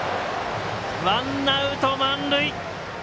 ワンアウト、満塁！